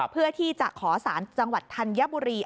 เพื่อที่จะขอสารจังหวัดธัญบุรี